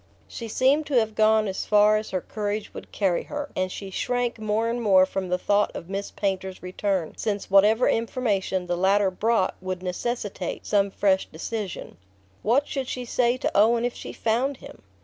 She seemed to have gone as far as her courage would carry her, and she shrank more and more from the thought of Miss Painter's return, since whatever information the latter brought would necessitate some fresh decision. What should she say to Owen if she found him?